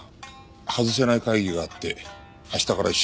外せない会議があって明日から１週間な。